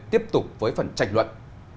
tiếp tục với phần tranh luận